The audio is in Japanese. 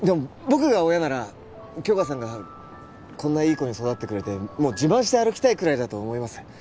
僕が親なら杏花さんがこんないい子に育ってくれてもう自慢して歩きたいくらいだと思います